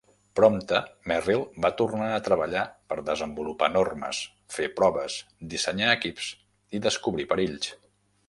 Prompte, Merrill va tornar a treballar per desenvolupar normes, fer proves, dissenyar equips i descobrir perills.